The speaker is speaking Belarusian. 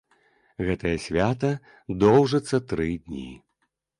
Гэтае свята доўжыцца тры дні.